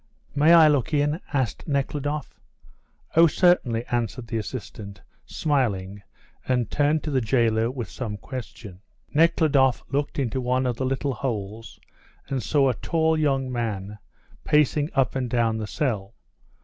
"May I look in?" asked Nekhludoff. "Oh, certainly," answered the assistant, smiling, and turned to the jailer with some question. Nekhludoff looked into one of the little holes, and saw a tall young man pacing up and down the cell.